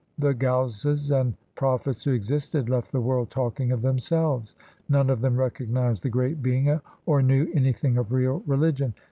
The Ghauses 1 and Prophets who existed Left the world talking of themselves. None of them recognized the great Being Or knew anything of real religion.